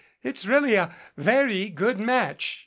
It's really a very good match.